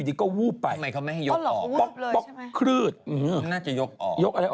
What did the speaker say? นางน่าจะไม่ออกที่